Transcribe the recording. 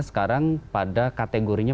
sekarang pada kategorinya